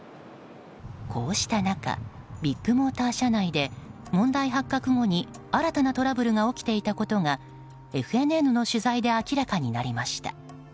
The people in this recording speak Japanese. こうした中ビッグモーター社内で問題発覚後に、新たなトラブルが起きていたことがＦＮＮの取材で明らかになりました。